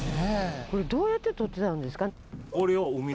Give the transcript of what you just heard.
これどうやってとってたんですか？